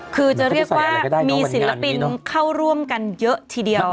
คือจะเรียกว่ามีศิลปินเข้าร่วมกันเยอะทีเดียว